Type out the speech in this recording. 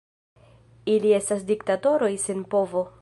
Ili estas diktatoroj sen povo.